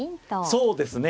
そうですね